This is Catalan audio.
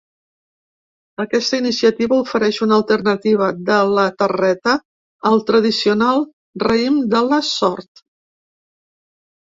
Aquesta iniciativa ofereix una alternativa de la terreta al tradicional raïm de la sort.